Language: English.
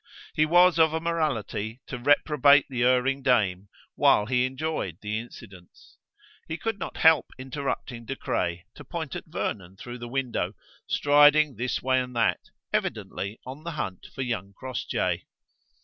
He was of a morality to reprobate the erring dame while he enjoyed the incidents. He could not help interrupting De Craye to point at Vernon through the window, striding this way and that, evidently on the hunt for young Crossjay.